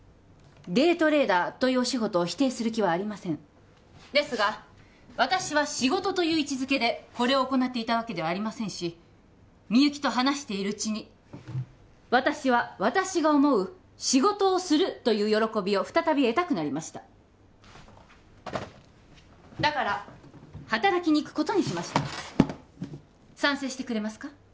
デイトレーダーというお仕事を否定する気はありませんですが私は仕事という位置づけでこれを行っていたわけではありませんしみゆきと話しているうちに私は私が思う「仕事をする」という喜びを再び得たくなりましただから働きに行くことにしました賛成してくれますか？